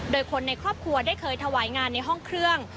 โดยคนในครอบครัวได้เคยถวายงานในห้องเครื่อง